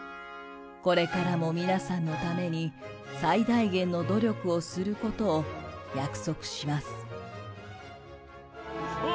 これからも皆さんのために最大限の努力をすることを約束します。